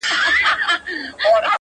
زما د سرڅښتنه اوس خپه سم که خوشحاله سم،